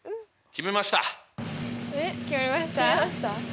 決めました？